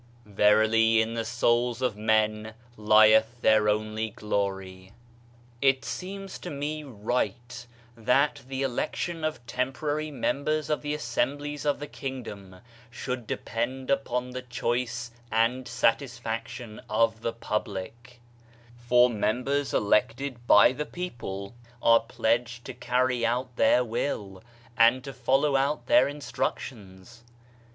"Verily in the souls of men Heth their only glory!" 30 Digitized by Google OF CIVILIZATION It seems to me, right, that; the election of tem porary members of the assemblies of the kingdom should depend upon the choice and satisfaction of the public, for members elected by the people are pledged to carry out their will, and to follow out their instructions.